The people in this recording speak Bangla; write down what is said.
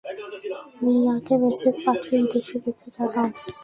মিয়াকে মেসেজ পাঠিয়ে ঈদের শুভেচ্ছা জানাও।